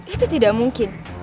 itu tidak mungkin